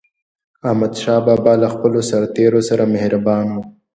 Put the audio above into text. احمدشاه بابا به له خپلو سرتېرو سره مهربان و.